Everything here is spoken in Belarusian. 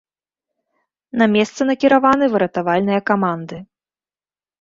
На месца накіраваны выратавальныя каманды.